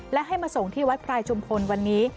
และให้มาส่งที่วัดพรายชุมพลวันนี้